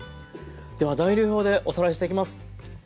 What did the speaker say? では材料表でおさらいしていきます。